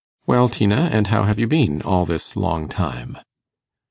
'Well, Tina, and how have you been all this long time?